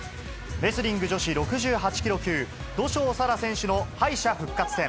レスリング女子６８キロ級、土性沙羅選手の敗者復活戦。